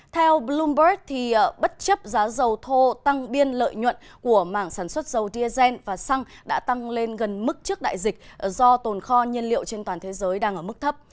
theo bloomberg bất chấp giá dầu thô tăng biên lợi nhuận của mảng sản xuất dầu diesel và xăng đã tăng lên gần mức trước đại dịch do tồn kho nhiên liệu trên toàn thế giới đang ở mức thấp